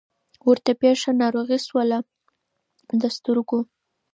ورته پېښه ناروغي سوله د سترګو